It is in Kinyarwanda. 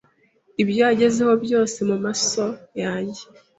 ibyo yagezeho byose mumaso yanjye